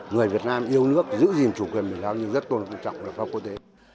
người việt nam yêu nước giữ gìn chủ quyền biển đảo nhưng rất tôn trọng luật pháp quốc tế